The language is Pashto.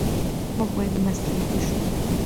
موږ باید مسلکي شو.